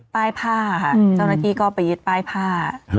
ผ้าค่ะเจ้าหน้าที่ก็ไปยึดป้ายผ้า